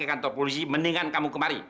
atau polisi mendingan kamu kemari